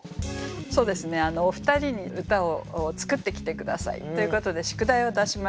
そうですねお二人に歌を作ってきて下さいということで宿題を出しました。